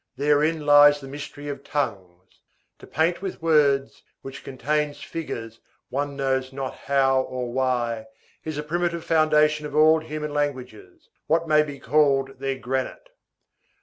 Therein lies the mystery of tongues. To paint with words, which contains figures one knows not how or why, is the primitive foundation of all human languages, what may be called their granite.